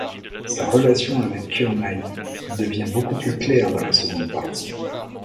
Sa relation avec Kurenaï devient beaucoup plus claire dans la seconde partie.